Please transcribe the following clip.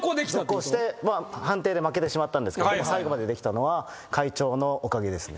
続行して判定で負けてしまったんですけど最後までできたのは会長のおかげですね。